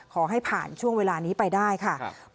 ขอให้ผ่านช่วงเวลานี้ไปได้ค่ะ